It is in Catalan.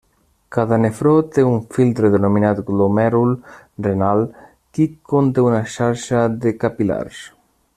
Cada nefró té un filtre denominat glomèrul renal, qui conté una xarxa de capil·lars.